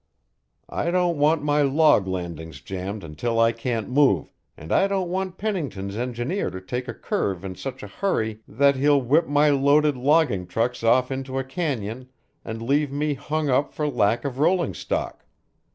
I don't want my log landings jammed until I can't move, and I don't want Pennington's engineer to take a curve in such a hurry that he'll whip my loaded logging trucks off into a canon and leave me hung up for lack of rolling stock.